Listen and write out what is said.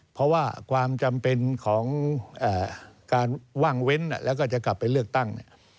เพราะว่าความจำเป็นของการว่างเว้นแล้วก็จะกลับไปเลือกตั้งเนี่ย